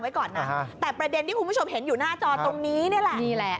ไปคอนเสิร์ตเอาวางไว้ก่อนนะแต่ประเด็นที่คุณผู้ชมเห็นอยู่หน้าจอตรงนี้นี่แหละ